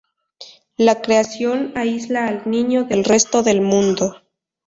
La creación "aísla" al niño del resto del mundo.